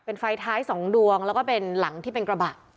เป็นไฟท้าย๒ดวงแล้วก็เป็นหลังที่เป็นกระบะ